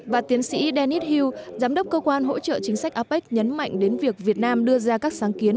và tiến sĩ danis hu giám đốc cơ quan hỗ trợ chính sách apec nhấn mạnh đến việc việt nam đưa ra các sáng kiến